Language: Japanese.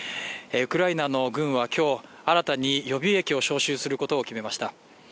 ウクライナの軍は今日新たに予備役を召集することを決めました。